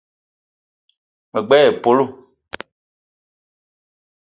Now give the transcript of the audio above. Me gbele épölo